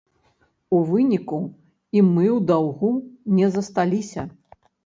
У выніку і мы ў даўгу не засталіся.